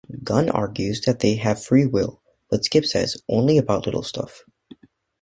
Gunn argues that they have free will, but Skip says only about little stuff.